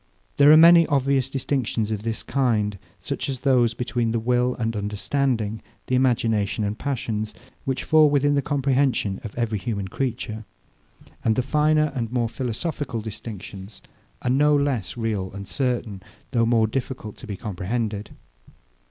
There are many obvious distinctions of this kind, such as those between the will and understanding, the imagination and passions, which fall within the comprehension of every human creature; and the finer and more philosophical distinctions are no less real and certain, though more difficult to be comprehended.